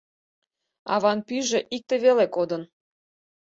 Аван пӱйжӧ икте веле кодын.